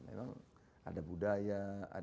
memang ada budaya